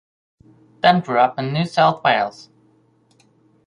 Dunn grew up in New South Wales.